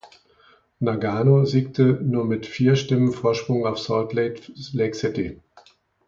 Nagano siegte nur mit vier Stimmen Vorsprung auf Salt Lake City.